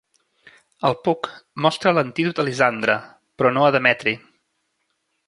El Puck mostra l'antídot a Lisandre, però no a Demetri.